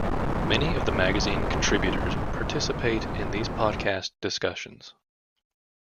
Many of the magazine contributors participate in these podcast discussions.